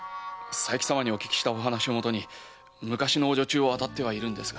佐伯様のお話をもとに昔の女中を当たっているんですが。